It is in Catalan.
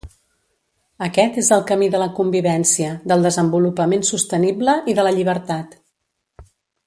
Aquest és el camí de la convivència, del desenvolupament sostenible i de la llibertat.